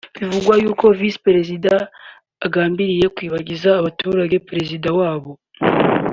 zivuga yuko Visi Perezida agambiriye kwibagiza abaturage Perezida wabo